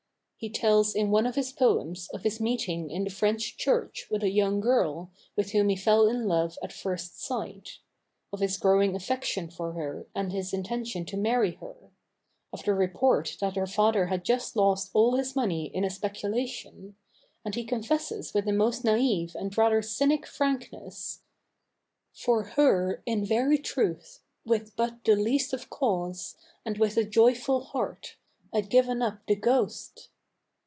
He tells in one of his poems of his meeting in the French church with a young girl, with whom he fell in love at first sight; of his growing affection for her and his intention to marry her; of the report that her father had just lost all his money in a speculation; and he confesses with a most naïve and rather cynic frankness: "For her in very truth, with but the least of cause And with a joyful heart, I'd given up the ghost.